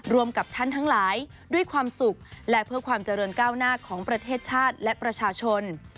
กับท่านทั้งหลายด้วยความสุขและเพื่อความเจริญก้าวหน้าของประเทศชาติและประชาชน